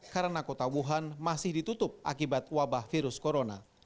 karena kota wuhan masih ditutup akibat wabah virus corona